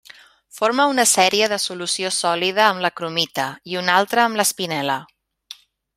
Forma una sèrie de solució sòlida amb la cromita, i una altra amb l'espinel·la.